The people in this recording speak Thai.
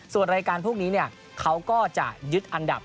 ส่วนรายการพวกนี้เขาก็จะยึดอันดับ